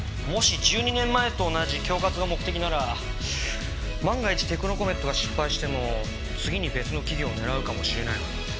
もし１２年前と同じ恐喝が目的なら万が一テクノコメットが失敗しても次に別の企業を狙うかもしれないのに。